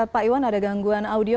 pak iwan ada gangguan audio